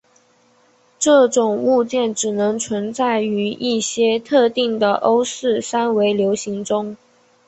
这种物件只能存在于一些特定的欧氏三维流形中。